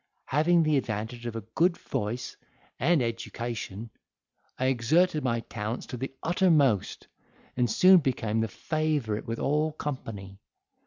Having the advantage of a good voice and education, I exerted my talents to the uttermost, and soon became the favourite with all company.